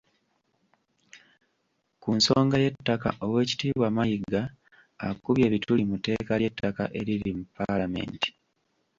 Ku nsonga y’ettaka, Oweekitiibwa Mayiga akubye ebituli mu tteeka ly’ettaka eriri mu Ppaalamenti